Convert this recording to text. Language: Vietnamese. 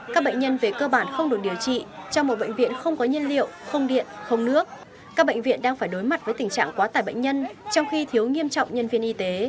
các bệnh nhân về cơ bản không được điều trị trong một bệnh viện không có nhân liệu không điện không nước các bệnh viện đang phải đối mặt với tình trạng quá tải bệnh nhân trong khi thiếu nghiêm trọng nhân viên y tế